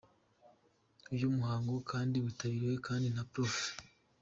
Uyu muhango kandi witabiriwe kandi na Prof.